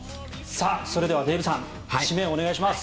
それではデーブさん締めをお願いします。